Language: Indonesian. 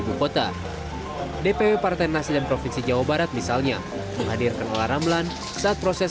bukota dpw partai nasi dan provinsi jawa barat misalnya menghadirkan olah ramlan saat proses